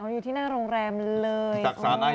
อยู่ที่หน้าโรงแรมเลย